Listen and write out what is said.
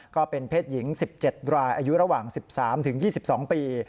ก็เป็นเพศหญิง๑๗รายอายุระหว่าง๑๓๒๒ปี